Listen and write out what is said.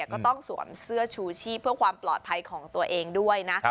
ก็ต้องสวมเสื้อชูชีพเพื่อความปลอดภัยของตัวเองด้วยนะ